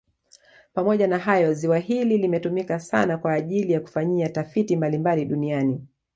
Pamoja na hayo ziwa hili limetumika sana kwa ajili ya kufanyia tafiti mbalimbali duniani